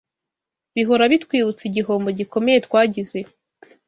bihora bitwibutsa igihombo gikomeye twagize